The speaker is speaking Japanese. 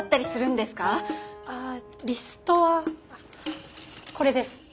あリストはこれです。